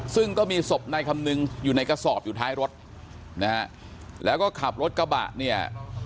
ซึ่งก็มีศพนายคำนึงอยู่ในกระสอบอยู่ท้ายรถนะฮะแล้วก็ขับรถกระบะเนี่ย